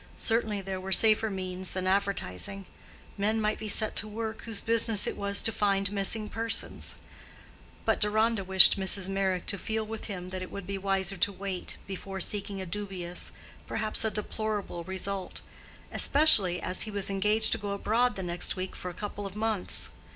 Certainly there were safer means than advertising; men might be set to work whose business it was to find missing persons; but Deronda wished Mrs. Meyrick to feel with him that it would be wiser to wait, before seeking a dubious—perhaps a deplorable result; especially as he was engaged to go abroad the next week for a couple of months.